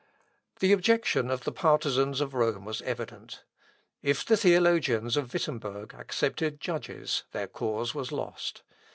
The object of the partisans of Rome was evident. If the theologians of Wittemberg accepted judges, their cause was lost.